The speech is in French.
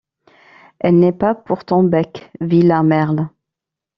Elle n’est pas pour ton bec, vilain merle!